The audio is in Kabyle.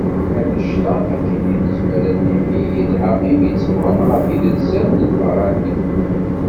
Annect-a akken i nezmer ad d-nini yelha imi tteffɣen ɣef yidelsan n lbeṛṛani.